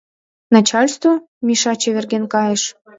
«Начальство?» — Миша чеверген кайыш.